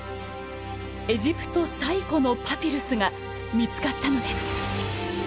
エジプト最古のパピルスが見つかったのです。